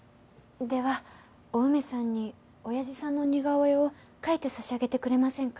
ではお梅さんにオヤジさんの似顔絵を描いて差し上げてくれませんか？